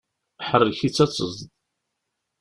Ḥerrek-itt ad tezḍ!